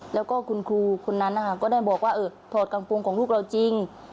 แล้วก็คุณครูคนนั้นนะคะก็ได้บอกว่าเออถอดกลางโปรงของลูกเราจริง